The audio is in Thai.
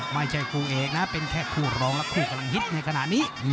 ไม่ใช่คู่เอกนะเป็นแค่คู่รองและคู่กำลังฮิตในขณะนี้